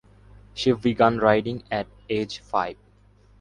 She began riding at age five.